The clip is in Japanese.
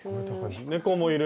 猫もいる。